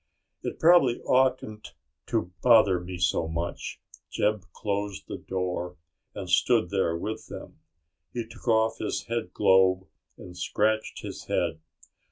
"It probably oughtn't to bother me so much." Jeb closed the door and stood there with them. He took off his headglobe and scratched his head.